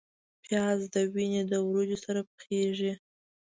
پیاز د وینې د وریجو سره پخیږي